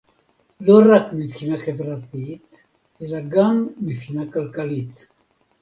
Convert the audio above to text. לא רק מבחינה חברתית אלא גם מבחינה כלכלית